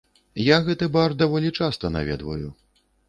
Я гэты бар даволі часта наведваю.